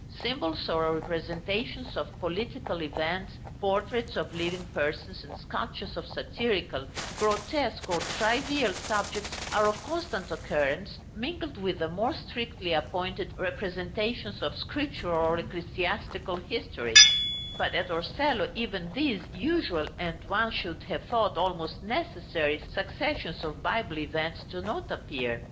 Symbols or representations of political events, portraits of living persons, and sculptures of satirical, grotesque, or trivial subjects are of constant occurrence, mingled with the more strictly appointed representations of scriptural or ecclesiastical history; but at Torcello even these usual, and one should have thought almost necessary, successions of Bible events do not appear.